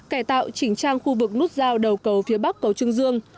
cải tạo chỉnh trang khu vực nút giao đầu cầu phía bắc cầu trương dương